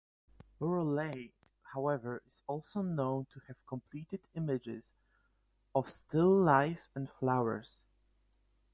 Burleigh however is also known to have completed images of still life and flowers.